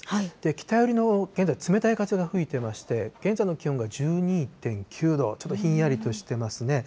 北寄りの、現在冷たい風が吹いていまして、現在の気温が１２．９度、ちょっとひんやりとしてますね。